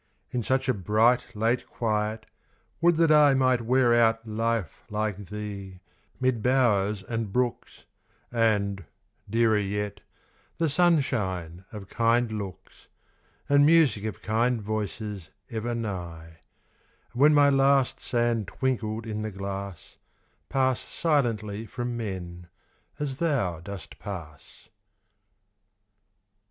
In such a bright, late quiet, would that I Might wear out life like thee, mid bowers and brooks, And, dearer yet, the sunshine of kind looks, And music of kind voices ever nigh; And when my last sand twinkled in the glass, Pass silently from men, as thou dost pass.